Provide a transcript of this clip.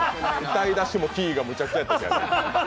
歌い出しもキーがむちゃくちゃやったし。